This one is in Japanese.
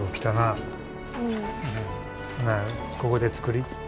ほなここで作り。